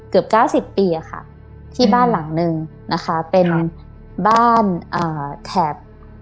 เกือบเก้าสิบปีอะค่ะที่บ้านหลังนึงนะคะเป็นบ้านแถบ